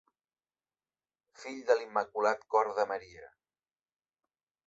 Fill de l'Immaculat Cor de Maria.